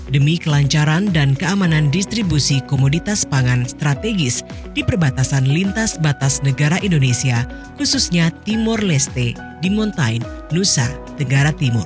demi kelancaran dan keamanan distribusi komoditas pangan strategis di perbatasan lintas batas negara indonesia khususnya timur leste di montain nusa tenggara timur